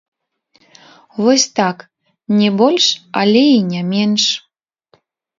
Вось так, не больш, але і не менш.